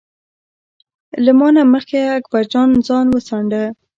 له ما نه مخکې اکبر جان ځان وڅانډه.